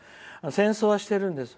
戦争はしているんです。